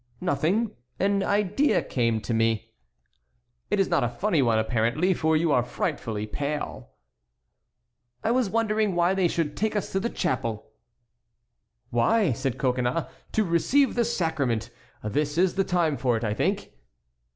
"Nothing! An idea came to me." "It is not a funny one, apparently, for you are frightfully pale." "I was wondering why they should take us to the chapel." "Why," said Coconnas, "to receive the sacrament. This is the time for it, I think."